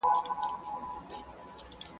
ذهني بدلون مقاومت زیاتوي.